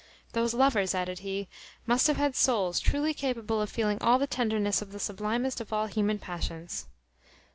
"Those lovers," added he, "must have had souls truly capable of feeling all the tenderness of the sublimest of all human passions."